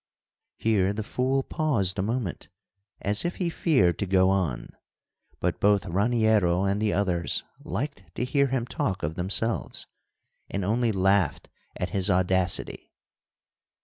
Here the fool paused a moment, as if he feared to go on, but both Raniero and the others liked to hear him talk of themselves, and only laughed at his audacity.